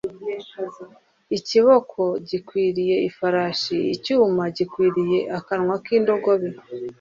Ikiboko gikwiriye ifarasi icyuma gikwiriye akanwa k’indogobe